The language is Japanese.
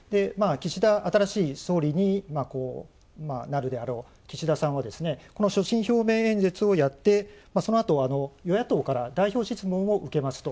新しい総理になるであろう岸田さんはこの所信表明演説をやって、そのあと、与野党から代表質問を受けますと。